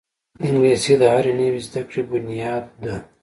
انګلیسي د هرې نوې زده کړې بنیاد ده